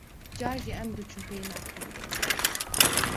Car jî em diçun pey naxirê.